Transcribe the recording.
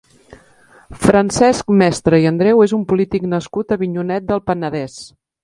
Francesc Mestre i Andreu és un polític nascut a Avinyonet del Penedès.